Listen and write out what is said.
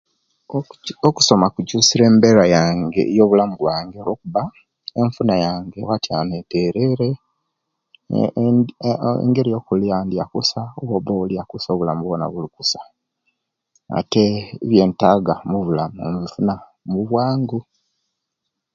Okusoma kukyusiriye embera yange obulamu bwange embera yobulamu bwange olwo'kuba enfuna yange bwatyanu eterere engeri yo kulya olya kusa obulamu bwona bulikusa ate ebinetaga mubulamu imbifuna mubwangu